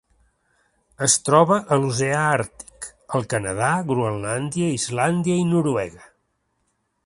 Es troba a l'Oceà Àrtic: el Canadà, Groenlàndia, Islàndia i Noruega.